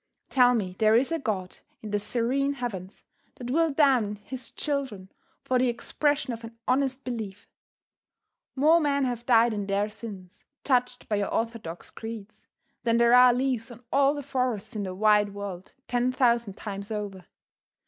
Tell me there is a God in the serene heavens that will damn his children for the expression of an honest belief! More men have died in their sins, judged by your orthodox creeds, than there are leaves on all the forests in the wide world ten thousand times over.